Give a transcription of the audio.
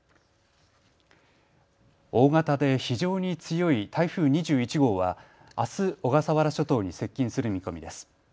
大型で非常に強い台風２１号はあす小笠原諸島に接近する見込みです。